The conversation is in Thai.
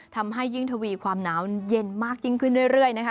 ทำให้ยิ่งทวีความหนาวเย็นมากยิ่งขึ้นเรื่อยนะคะ